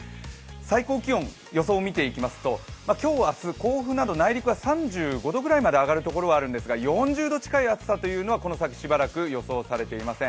最高気温の予想を見ていきますと今日、明日、甲府など内陸は３５度ぐらいまで上がる所もあるんですが４０度近い暑さというのは、この先しばらく予想されていません。